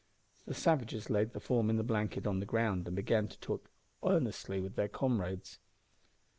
The savages laid the form in the blanket on the ground, and began to talk earnestly with their comrades.